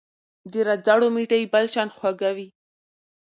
د رځړو مټايي بل شان خوږه وي